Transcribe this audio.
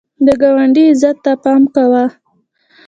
د ګاونډي عزت ته پام کوه